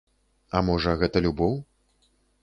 А можа, гэта любоў?